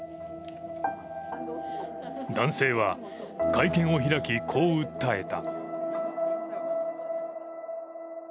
男性は会見を開き、こう訴えた。